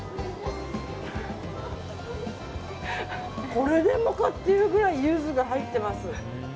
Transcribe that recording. これでもかっていうぐらいゆずが入ってます。